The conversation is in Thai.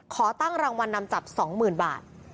ขอตั้งรางวัลนำจับ๒๐๐๐บาท